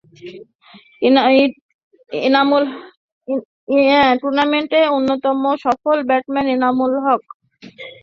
টুর্নামেন্টে অন্যতম সফল ব্যাটসম্যান এনামুল হকের ব্যাট আজও হেসে ওঠার ইঙ্গিত দিয়েছিল।